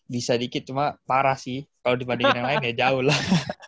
bisa dikit cuma parah sih kalau dibandingin yang lain ya jauh lah